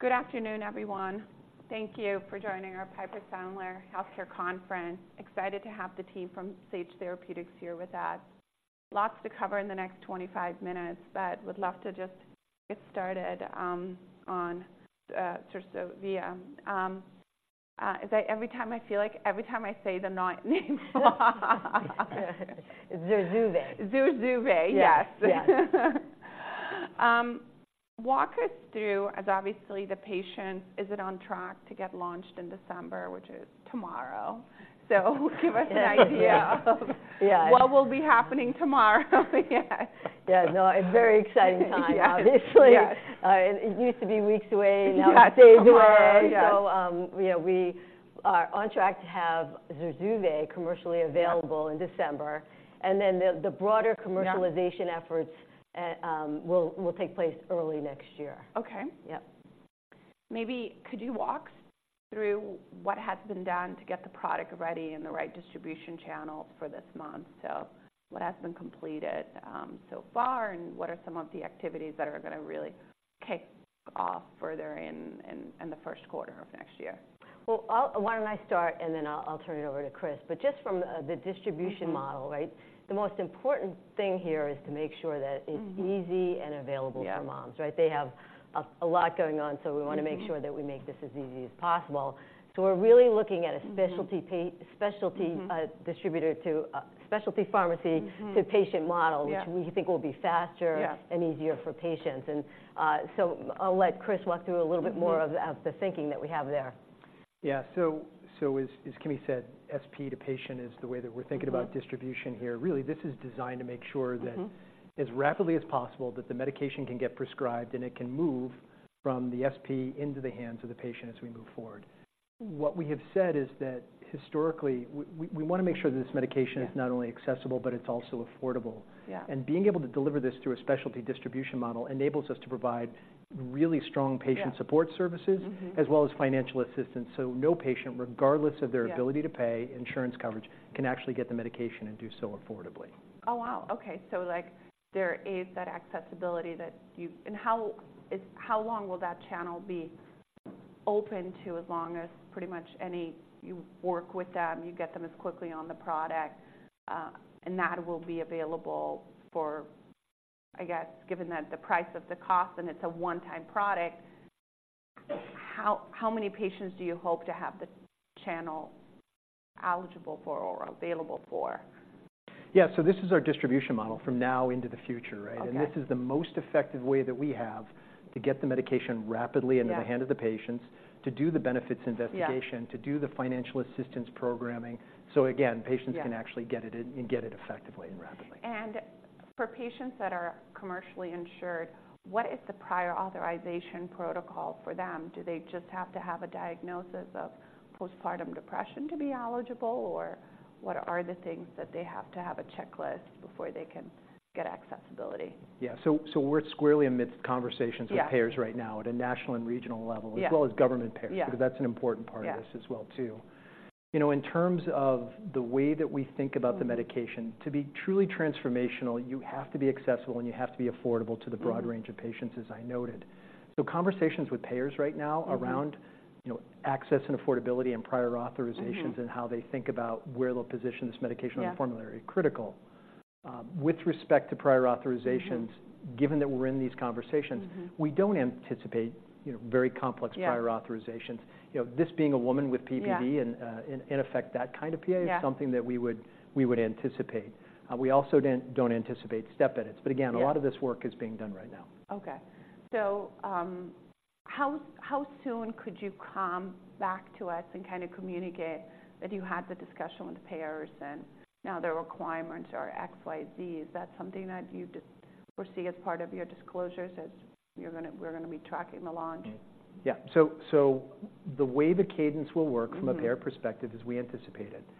Good afternoon, everyone. Thank you for joining our Piper Sandler Healthcare Conference. Excited to have the team from Sage Therapeutics here with us. Lots to cover in the next 25 minutes, but would love to just get started on sort of the every time I feel like every time I say the not name. Zurzuvae. Zurzuvae, yes. Yes. Walk us through, as obviously the product, is it on track to get launched in December, which is tomorrow? So give us an idea- Yeah. What will be happening tomorrow? Yeah. No, a very exciting time, obviously. Yeah. It used to be weeks away. Yeah. Now it's days away. Yeah. So, you know, we are on track to have ZURZUVAE commercially available- Yeah in December, and then the broader commercialization- Yeah Efforts will take place early next year. Okay. Yep. Maybe could you walk through what has been done to get the product ready in the right distribution channels for this month? So what has been completed, so far, and what are some of the activities that are gonna really kick off further in the first quarter of next year? Well, I'll... Why don't I start and then I'll, I'll turn it over to Chris. But just from, the distribution model, right? Mm-hmm. The most important thing here is to make sure that- Mm-hmm It's easy and available for moms, right? Yeah. They have a lot going on, so we- Mm-hmm wanna make sure that we make this as easy as possible. So we're really looking at a specialty pa- Mm-hmm -specialty, distributor to, specialty pharmacy- Mm-hmm -to patient model- Yeah which we think will be faster Yeah -and easier for patients. And, so I'll let Chris walk through a little bit more- Mm-hmm of the thinking that we have there. Yeah. So, as Kimi said, SP to patient is the way that we're thinking about- Mm-hmm distribution here. Really, this is designed to make sure that- Mm-hmm as rapidly as possible, that the medication can get prescribed, and it can move from the SP into the hands of the patient as we move forward. What we have said is that, historically, we wanna make sure that this medication- Yeah is not only accessible, but it's also affordable. Yeah. Being able to deliver this through a specialty distribution model enables us to provide really strong patient- Yeah -support services- Mm-hmm -as well as financial assistance. So no patient, regardless of their- Yeah ability to pay, insurance coverage, can actually get the medication and do so affordably. Oh, wow! Okay. So, like, there is that accessibility that you... And how is-how long will that channel be open to? As long as pretty much any, you work with them, you get them as quickly on the product, and that will be available for, I guess, given that the price of the cost and it's a one-time product, how many patients do you hope to have the channel eligible for or available for? Yeah. So this is our distribution model from now into the future, right? Okay. This is the most effective way that we have to get the medication rapidly- Yeah into the hand of the patients, to do the benefits investigation. Yeah to do the financial assistance programming. So again- Yeah Patients can actually get it in, and get it effectively and rapidly. For patients that are commercially insured, what is the prior authorization protocol for them? Do they just have to have a diagnosis of postpartum depression to be eligible, or what are the things that they have to have a checklist before they can get accessibility? Yeah. So, we're squarely amidst conversations- Yeah with payers right now at a national and regional level. Yeah as well as government payers Yeah because that's an important part of this Yeah as well, too. You know, in terms of the way that we think about Mm-hmm the medication, to be truly transformational, you have to be accessible, and you have to be affordable. Mm-hmm to the broad range of patients, as I noted. So conversations with payers right now Mm-hmm around, you know, access and affordability and prior authorizations- Mm-hmm and how they think about where they'll position this medication on the formulary Yeah -are critical. With respect to prior authorizations- Mm-hmm Given that we're in these conversations. Mm-hmm We don't anticipate, you know, very complex Yeah prior authorizations. You know, this being a woman with PPD. Yeah -and, in effect, that kind of PA- Yeah Is something that we would anticipate. We also don't anticipate step edits. Yeah. But again, a lot of this work is being done right now. Okay. So, how soon could you come back to us and kind of communicate that you had the discussion with payers, and now the requirements are X, Y, Z? Is that something that you just foresee as part of your disclosures, as you're gonna, we're gonna be tracking the launch? Yeah. So the way the cadence will work- Mm-hmm from a payer perspective, as we anticipate it Mm-hmm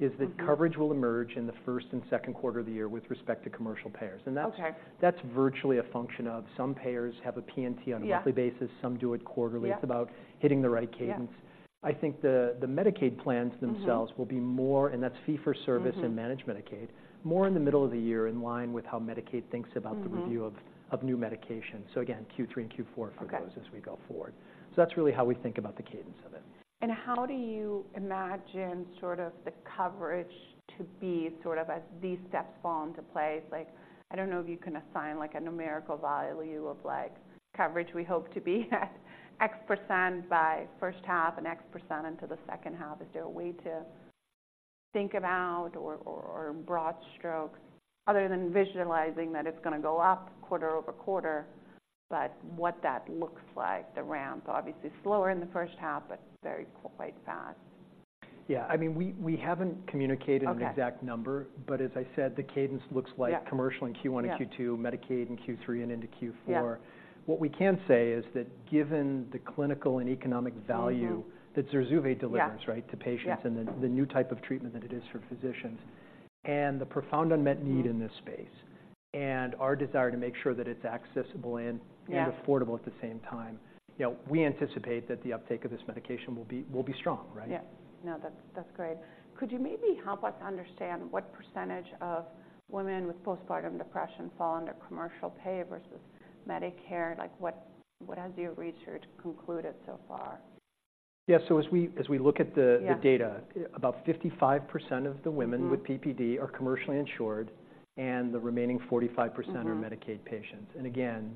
is that coverage will emerge in the first and second quarter of the year with respect to commercial payers. Okay. That's, that's virtually a function of some payers have a P&T on a- Yeah -monthly basis. Some do it quarterly. Yeah. It's about hitting the right cadence. Yeah. I think the Medicaid plans themselves- Mm-hmm will be more, and that's fee-for-service. Mm-hmm managed Medicaid, more in the middle of the year, in line with how Medicaid thinks about Mm-hmm the review of new medications. So again, Q3 and Q4- Okay for those as we go forward. So that's really how we think about the cadence of it. How do you imagine sort of the coverage to be sort of as these steps fall into place? Like, I don't know if you can assign like a numerical value of, like, coverage. We hope to be at X percent by first half and X percent into the second half. Is there a way to think about or in broad strokes, other than visualizing that it's gonna go up quarter over quarter, but what that looks like, the ramp, obviously slower in the first half, but very quite fast? Yeah. I mean, we haven't communicated- Okay an exact number, but as I said, the cadence looks like Yeah commercial in Q1 and Q2 Yeah -Medicaid in Q3 and into Q4. Yeah. What we can say is that given the clinical and economic value- Mm-hmm that ZURZUVAE delivers Yeah Right, to patients. Yeah and the new type of treatment that it is for physicians and the profound unmet need. Mm-hmm in this space and our desire to make sure that it's accessible and Yeah And affordable at the same time, you know, we anticipate that the uptake of this medication will be, will be strong, right? Yeah. No, that's, that's great. Could you maybe help us understand what percentage of women with postpartum depression fall under commercial pay versus Medicare? Like, what, what has your research concluded so far? ... Yeah, so as we look at the- Yeah the data, about 55% of the women- Mm-hmm - with PPD are commercially insured, and the remaining 45%- Mm-hmm are Medicaid patients. And again,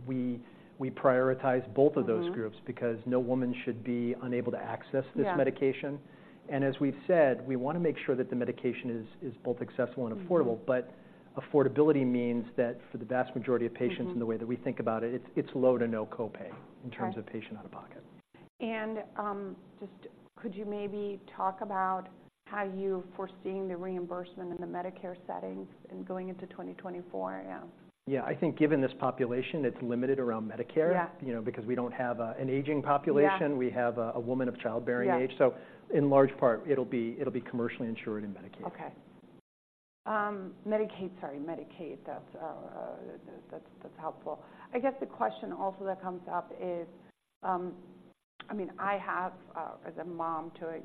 we prioritize both of those groups- Mm-hmm because no woman should be unable to access this medication. Yeah. As we've said, we want to make sure that the medication is both accessible and affordable. Mm-hmm. Affordability means that for the vast majority of patients- Mm-hmm - In the way that we think about it, it's low to no copay- Right in terms of patient out-of-pocket. Just could you maybe talk about how you're foreseeing the reimbursement in the Medicare settings in going into 2024? Yeah. Yeah. I think given this population, it's limited around Medicare. Yeah. You know, because we don't have an aging population. Yeah. We have a woman of childbearing age. Yeah. In large part, it'll be commercially insured and Medicaid. Okay. Medicaid... Sorry, Medicaid, that's helpful. I guess the question also that comes up is, I mean, I have, as a mom to a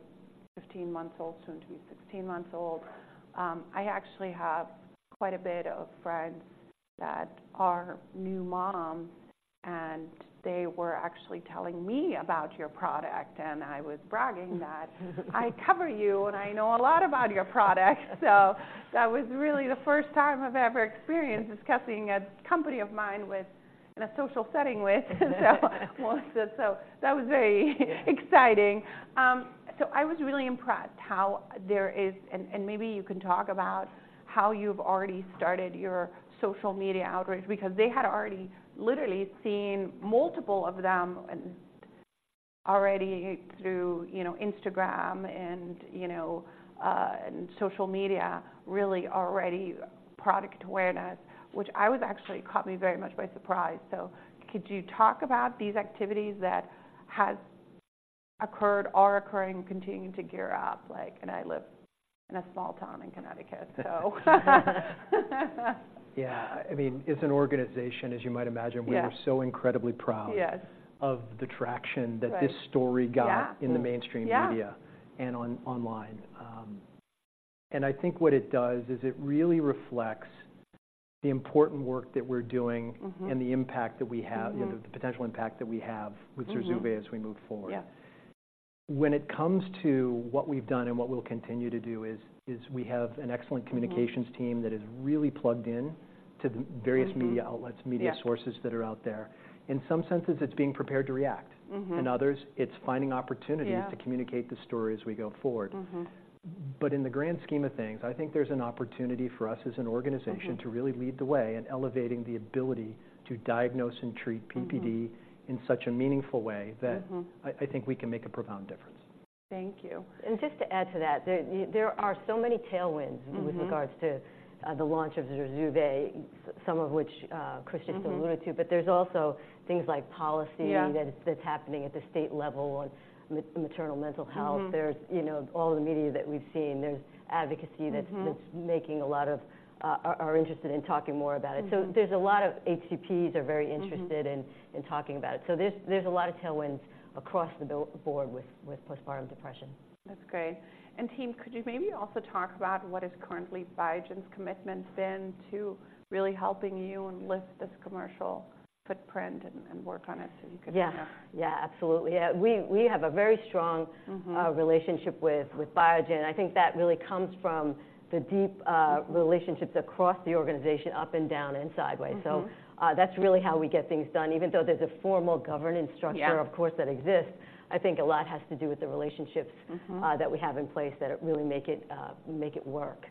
15-month-old, soon to be 16 months old, I actually have quite a bit of friends that are new moms, and they were actually telling me about your product, and I was bragging that—I cover you, and I know a lot about your product. So that was really the first time I've ever experienced discussing a company of mine with, in a social setting with, so Melissa. So that was very exciting. So I was really impressed how there is... And maybe you can talk about how you've already started your social media outreach, because they had already literally seen multiple of them, and already through, you know, Instagram and, you know, and social media, really already product awareness, which I was actually caught me very much by surprise. So could you talk about these activities that has occurred, are occurring, continuing to gear up? Like, and I live in a small town in Connecticut, so. Yeah. I mean, as an organization, as you might imagine- Yeah We are so incredibly proud. Yes of the traction Right that this story got Yeah in the mainstream media Yeah and online. And I think what it does is it really reflects the important work that we're doing. Mm-hmm and the impact that we have. Mm-hmm you know, the potential impact that we have- Mm-hmm - with ZURZUVAE as we move forward. Yeah. When it comes to what we've done and what we'll continue to do is, is we have an excellent communications- Mm-hmm team that is really plugged in to the Mm-hmm various media outlets. Yeah media sources that are out there. In some senses, it's being prepared to react. Mm-hmm. In others, it's finding opportunities- Yeah to communicate the story as we go forward. Mm-hmm. In the grand scheme of things, I think there's an opportunity for us as an organization- Mm-hmm to really lead the way in elevating the ability to diagnose and treat PPD- Mm-hmm in such a meaningful way that- Mm-hmm I think we can make a profound difference. Thank you. And just to add to that, there are so many tailwinds- Mm-hmm - With regards to the launch of ZURZUVAE, some of which Chris just alluded to. Mm-hmm. But there's also things like policy- Yeah That's happening at the state level on maternal mental health. Mm-hmm. There's, you know, all the media that we've seen, there's advocacy that's- Mm-hmm That's making a lot of are interested in talking more about it. Mm-hmm. So there's a lot of HCPs are very interested- Mm-hmm In talking about it. So there's a lot of tailwinds across the board with postpartum depression. That's great. And team, could you maybe also talk about what is currently Biogen's commitment been to really helping you and lift this commercial footprint and work on it so you could? Yeah. Yeah, absolutely. Yeah, we, we have a very strong- Mm-hmm relationship with, with Biogen. I think that really comes from the deep, relationships across the organization, up and down, and sideways. Mm-hmm. So, that's really how we get things done. Even though there's a formal governance structure- Yeah Of course, that exists. I think a lot has to do with the relationships- Mm-hmm - that we have in place, that it really make it, make it work.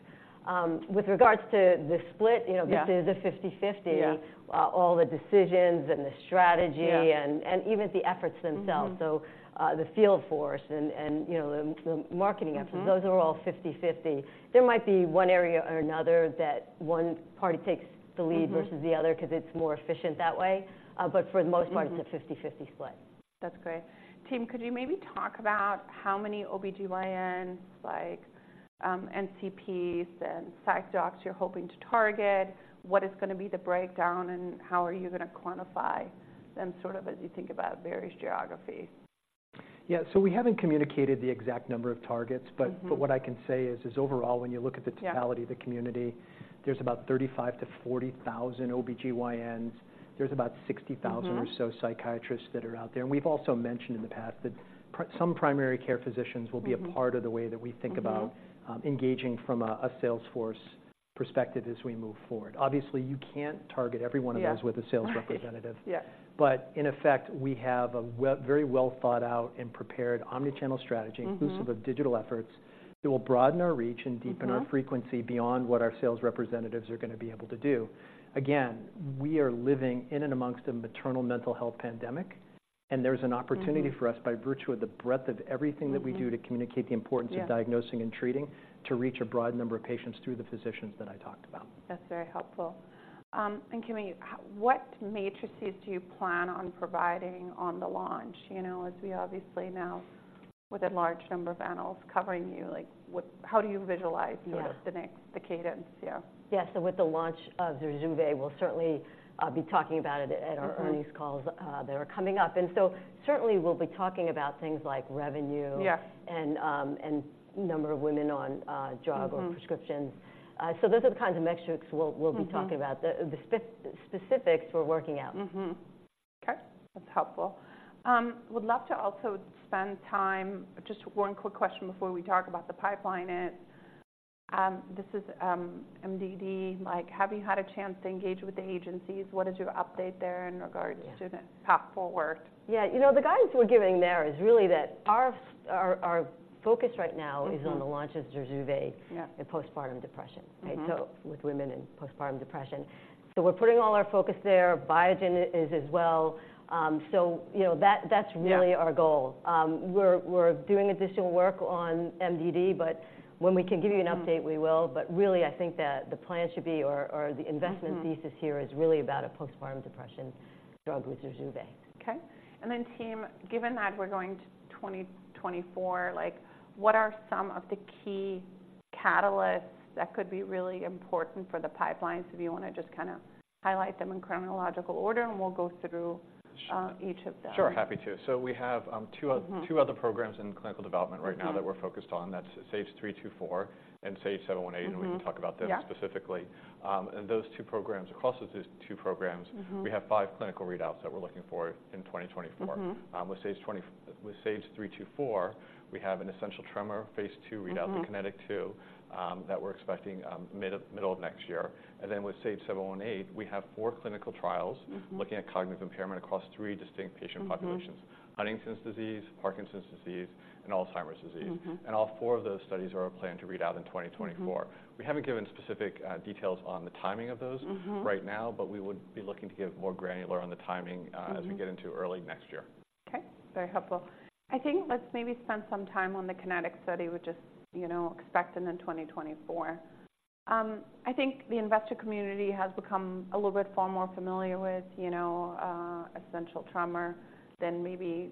With regards to the split, you know- Yeah This is a 50/50. Yeah. All the decisions and the strategy- Yeah and even the efforts themselves. Mm-hmm. So, the field force and, you know, the marketing efforts- Mm-hmm - Those are all 50/50. There might be one area or another that one party takes the lead- Mm-hmm versus the other because it's more efficient that way. But for the most part- Mm-hmm It's a 50/50 split. That's great. Team, could you maybe talk about how many OB-GYNs, like, NCPs and psych docs you're hoping to target? What is gonna be the breakdown, and how are you gonna quantify them sort of as you think about various geographies? Yeah, so we haven't communicated the exact number of targets, but- Mm-hmm but what I can say is, overall, when you look at the totality- Yeah - of the community, there's about 35,000 to 40,000 OB-GYNs. There's about 60,000- Mm-hmm or so psychiatrists that are out there. We've also mentioned in the past that some primary care physicians will be- Mm-hmm a part of the way that we think about- Mm-hmm engaging from a sales force perspective as we move forward. Obviously, you can't target every one of those- Yeah with a sales representative. Right. Yeah. But in effect, we have a very well thought out and prepared omni-channel strategy- Mm-hmm inclusive of digital efforts, that will broaden our reach and deepen- Mm-hmm our frequency beyond what our sales representatives are gonna be able to do. Again, we are living in and amongst a maternal mental health pandemic, and there's an opportunity for us- Mm-hmm by virtue of the breadth of everything that we do Mm-hmm - to communicate the importance of- Yeah diagnosing and treating, to reach a broad number of patients through the physicians that I talked about. That's very helpful. And Kimi, what metrics do you plan on providing on the launch? You know, as we obviously know, with a large number of panels covering you, like, how do you visualize- Yeah sort of the next, the cadence? Yeah. Yeah. So with the launch of ZURZUVAE, we'll certainly be talking about it at our- Mm-hmm - earnings calls, that are coming up. And so certainly, we'll be talking about things like revenue- Yeah - and number of women on drug- Mm-hmm - or prescriptions. So those are the kinds of metrics we'll be talking about. Mm-hmm. The specifics, we're working out. Mm-hmm. That's helpful. Would love to also spend time. Just one quick question before we talk about the pipeline is, this is, MDD, like, have you had a chance to engage with the agencies? What is your update there in regards to the path forward? Yeah, you know, the guidance we're giving there is really that our focus right now- Mm-hmm. -is on the launch of ZURZUVAE. Yeah. In postpartum depression. Mm-hmm. Okay, so with women in postpartum depression. So we're putting all our focus there, Biogen is as well. So you know, that, that's- Yeah really our goal. We're doing additional work on MDD, but when we can give you an update, we will. Mm-hmm. But really, I think that the plan should be, or the- Mm-hmm Investment thesis here is really about a postpartum depression drug with ZURZUVAE. Okay. Then, team, given that we're going to 2024, like, what are some of the key catalysts that could be really important for the pipelines? If you want to just kinda highlight them in chronological order, and we'll go through. Sure. each of them. Sure, happy to. So we have two other- Mm-hmm two other programs in clinical development right now. Mm-hmm -that we're focused on. That's SAGE-324 and SAGE-718. Mm-hmm. And we can talk about them- Yeah -specifically. And those two programs, across the two programs- Mm-hmm We have five clinical readouts that we're looking for in 2024. Mm-hmm. With SAGE-324, we have an essential tremor phase 2 readout- Mm-hmm -in KINETIC 2 that we're expecting mid, middle of next year. And then with SAGE-718, we have four clinical trials- Mm-hmm looking at cognitive impairment across three distinct patient populations Mm-hmm -Huntington's disease, Parkinson's disease, and Alzheimer's disease. Mm-hmm. All four of those studies are planned to read out in 2024. Mm-hmm. We haven't given specific details on the timing of those- Mm-hmm -right now, but we would be looking to get more granular on the timing. Mm-hmm as we get into early next year. Okay, very helpful. I think let's maybe spend some time on the KINETIC study, which is, you know, expected in 2024. I think the investor community has become a little bit far more familiar with, you know, Essential Tremor than maybe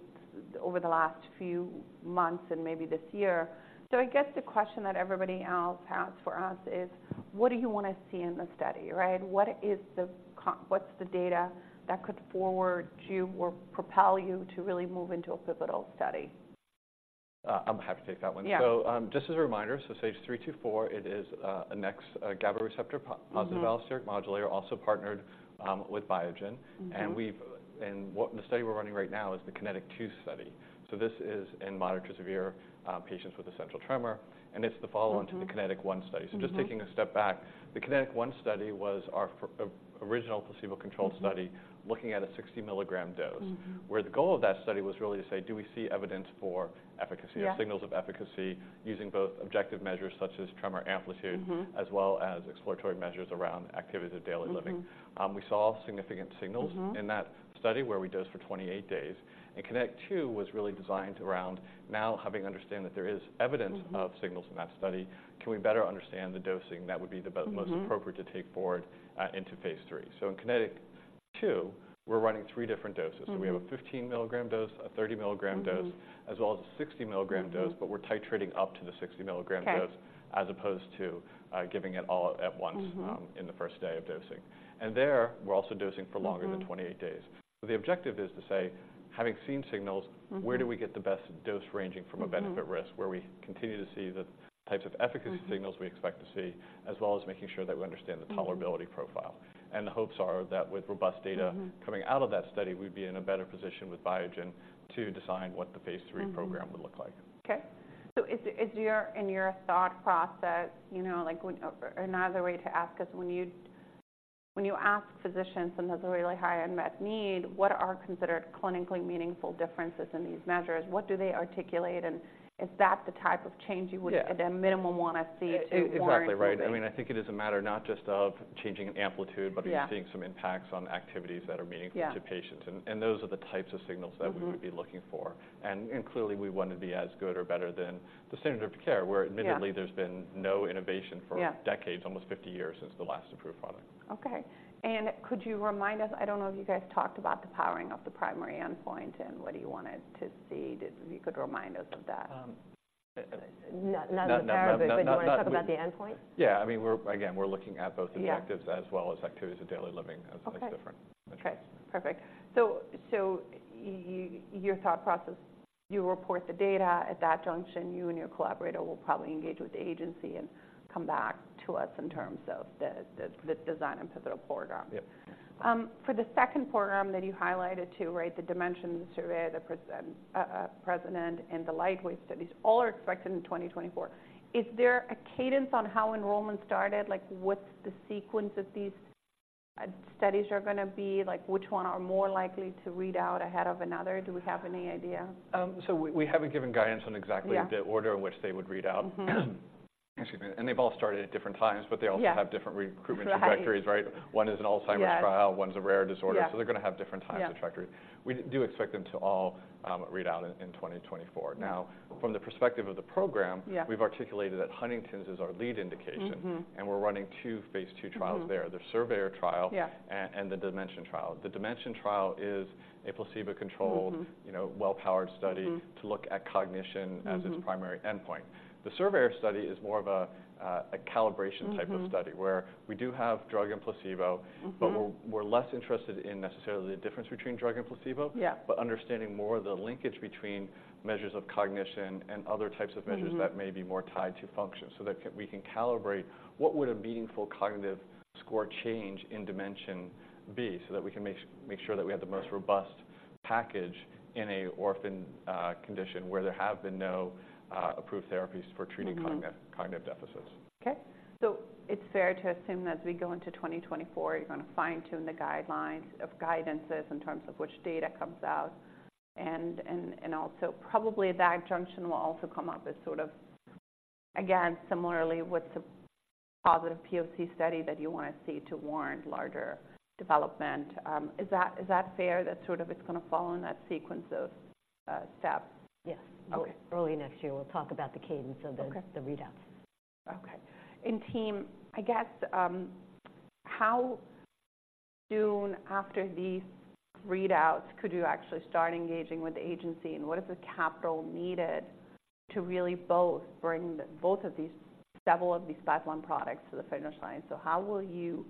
over the last few months and maybe this year. So I guess the question that everybody else has for us is: what do you want to see in the study, right? What is the data that could forward you or propel you to really move into a pivotal study? I'm happy to take that one. Yeah. So, just as a reminder, so SAGE-324, it is a GABA receptor- Mm-hmm -positive allosteric modulator, also partnered with Biogen. Mm-hmm. The study we're running right now is the KINETIC 2 Study. So this is in moderate to severe patients with essential tremor, and it's the follow-up- Mm-hmm -to the KINETIC-1 study. Mm-hmm. So just taking a step back, the KINETIC-1 study was our original placebo-controlled study. Mm-hmm Looking at a 60 milligram dose. Mm-hmm. Where the goal of that study was really to say: Do we see evidence for efficacy? Yeah. Or signals of efficacy, using both objective measures, such as tremor amplitude- Mm-hmm —as well as exploratory measures around Activities of Daily Living. Mm-hmm. We saw significant signals- Mm-hmm -in that study, where we dosed for 28 days. Kinetic 2 was really designed around now, having understand that there is evidence- Mm-hmm of signals in that study, can we better understand the dosing that would be the b- Mm-hmm Most appropriate to take forward into phase 3? So in KINETIC 2, we're running three different doses. Mm-hmm. We have a 15 milligram dose, a 30 milligram dose- Mm-hmm -as well as a 60 milligram dose- Mm-hmm. -but we're titrating up to the 60 milligram dose- Okay -as opposed to, giving it all at once- Mm-hmm in the first day of dosing. There, we're also dosing for longer- Mm-hmm -than 28 days. The objective is to say, having seen signals- Mm-hmm Where do we get the best dose ranging from a benefit? Mm-hmm risk, where we continue to see the types of efficacy signals- Mm-hmm -we expect to see, as well as making sure that we understand the tolerability profile. The hopes are that with robust data- Mm-hmm coming out of that study, we'd be in a better position with Biogen to design what the phase three- Mm-hmm program would look like. Okay. So is your... In your thought process, you know, like, when... Another way to ask is when you, when you ask physicians and there's a really high unmet need, what are considered clinically meaningful differences in these measures? What do they articulate, and is that the type of change you would- Yeah at a minimum, want to see to warrant Exactly right. I mean, I think it is a matter not just of changing an amplitude- Yeah But are you seeing some impacts on activities that are meaningful? Yeah -to patients? And those are the types of signals that- Mm-hmm we would be looking for. And, and clearly, we want to be as good or better than the standard of care, where admittedly Yeah There's been no innovation for Yeah -decades, almost 50 years, since the last approved product. Okay. And could you remind us, I don't know if you guys talked about the powering of the primary endpoint and what you wanted to see? If you could remind us of that? Um- Not in there- Not, not, not, not- But do you want to talk about the endpoint? Yeah. I mean, we're, again, we're looking at both the objectives- Yeah as well as Activities of Daily Living Okay as the next different measures. Okay, perfect. So, your thought process, you report the data. At that junction, you and your collaborator will probably engage with the agency and come back to us in terms of the design and pivotal program. Yep. For the second program that you highlighted, too, right? The DIMENSION, the SURVEYOR, the PRECEDENT, and the LIGHTWAVE studies all are expected in 2024. Is there a cadence on how enrollment started? Like, what's the sequence of these studies are going to be? Like, which one are more likely to read out ahead of another? Do we have any idea? So we haven't given guidance on exactly- Yeah the order in which they would read out. Mm-hmm. Excuse me. And they've all started at different times, but they also- Yeah have different recruitment trajectories. Right. Right? One is an Alzheimer's trial- Yeah One's a rare disorder. Yeah. So they're going to have different times- Yeah of trajectory. We do expect them to all read out in 2024. Yeah. Now, from the perspective of the program- Yeah We've articulated that Huntington's is our lead indication. Mm-hmm. We're running two phase 2 trials there. Mm-hmm. The SURVEYOR trial- Yeah and the DIMENSION trial. The DIMENSION trial is a placebo-controlled- Mm-hmm You know, well-powered study. Mm-hmm to look at cognition Mm-hmm -as its primary endpoint. The SURVEYOR Study is more of a calibration- Mm-hmm type of study, where we do have drug and placebo Mm-hmm but we're, we're less interested in necessarily the difference between drug and placebo. Yeah but understanding more of the linkage between measures of cognition and other types of measures Mm-hmm -that may be more tied to function. So that we can calibrate what would a meaningful cognitive score change in dimension be, so that we can make sure that we have the most robust package in a orphan condition where there have been no approved therapies for treating- Mm-hmm cognitive deficits. Okay. So it's fair to assume that as we go into 2024, you're gonna fine-tune the guidelines of guidances in terms of which data comes out, and also probably that junction will also come up as sort of, again, similarly with the positive POC study that you wanna see to warrant larger development. Is that fair, that sort of it's gonna follow in that sequence of steps? Yes. Okay. Early next year, we'll talk about the cadence of the- Okay -the readouts. Okay. And team, I guess, how soon after these readouts could you actually start engaging with the agency? And what is the capital needed to really both bring both of these, several of these pipeline products to the finish line? So how will you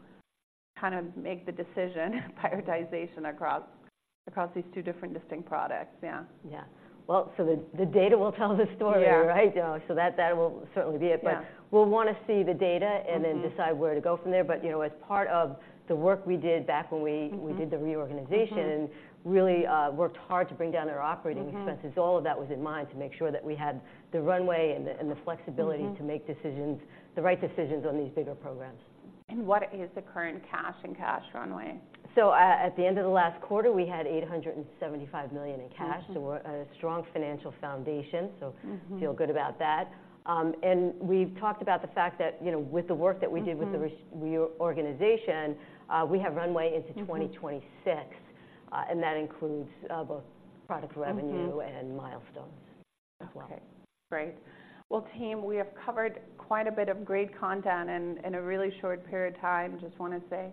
kind of make the decision, prioritization across these two different distinct products? Yeah. Yeah. Well, so the data will tell the story, right? Yeah. That will certainly be it. Yeah. But we'll wanna see the data- Mm-hmm And then decide where to go from there. But, you know, as part of the work we did back when we- Mm-hmm... We did the reorganization- Mm-hmm really worked hard to bring down our operating expenses. Mm-hmm. All of that was in mind, to make sure that we had the runway and the flexibility- Mm-hmm to make decisions, the right decisions on these bigger programs. What is the current cash and cash runway? At the end of the last quarter, we had $875 million in cash. Mm-hmm. So, we're a strong financial foundation. Mm-hmm feel good about that. And we've talked about the fact that, you know, with the work that we did- Mm-hmm With the reorganization, we have runway into 2026. Mm-hmm. And that includes both product revenue- Mm-hmm And milestones as well. Okay. Great. Well, team, we have covered quite a bit of great content in a really short period of time. Just wanna say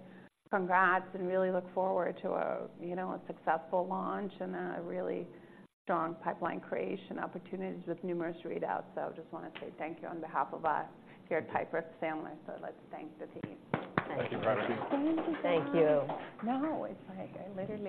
congrats, and really look forward to a, you know, a successful launch and a really strong pipeline creation opportunities with numerous readouts. So just wanna say thank you on behalf of us here at Piper Sandler. So let's thank the team. Thank you, Barry. Thank you so much. Thank you. No, it's like I literally-